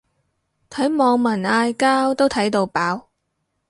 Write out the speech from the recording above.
睇網民嗌交都睇到飽